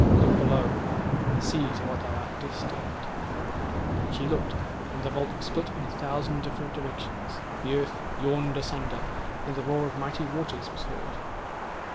Look below! and see to what thou art destined.' She looked, the vault split in a thousand different directions; the earth yawned asunder; and the roar of mighty waters was heard.